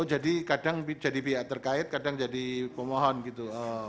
kadang jadi pihak terkait kadang jadi pemohon gitu